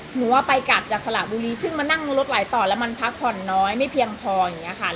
หนูว่าไปกลับจากสระบุรีซึ่งมานั่งรถไหลต่อแล้วมันพักผ่อนน้อยไม่เพียงพออย่างนี้ค่ะ